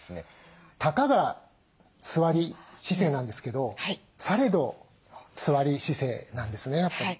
たかが座り姿勢なんですけどされど座り姿勢なんですねやっぱり。